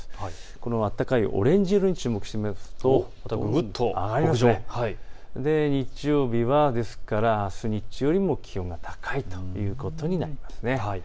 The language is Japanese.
このあたたかいオレンジ色に注目するとぐっと北上、日曜日はですからあす日中よりも気温が高いということになります。